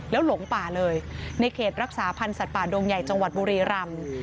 แล้วหลงป่าเลยในเขตรักษาพันธ์สัตว์ป่าดงใหญ่จังหวัดบุรีรำ